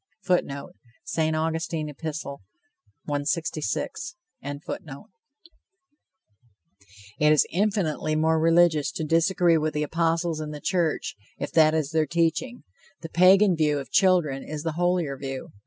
[Footnote: St. Augustine Epist. 166.] It is infinitely more religious to disagree with the apostles and the church, if that is their teaching. The Pagan view of children is the holier view.